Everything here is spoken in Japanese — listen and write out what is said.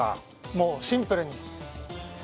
もうシンプルに。